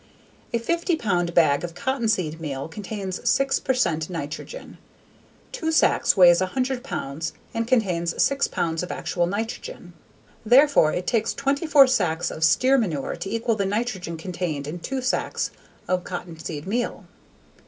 A fifty pound bag of cottonseed meal contains six percent nitrogen. Two sacks weighs 100 pounds and contains 6 pounds of actual nitrogen. Therefore it takes 24 sacks of steer manure to equal the nitrogen contained in two sacks of cottonseed meal.